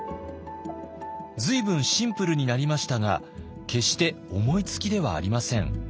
随分シンプルになりましたが決して思いつきではありません。